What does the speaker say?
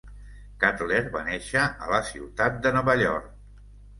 Cutler va néixer a la ciutat de Nova York.